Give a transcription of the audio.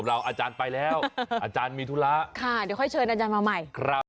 อาจารย์ไปแล้วอาจารย์มีธุระค่ะเดี๋ยวค่อยเชิญอาจารย์มาใหม่ครับ